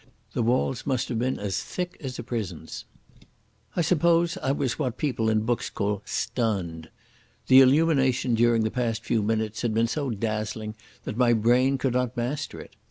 The walls must have been as thick as a prison's. I suppose I was what people in books call "stunned". The illumination during the past few minutes had been so dazzling that my brain could not master it.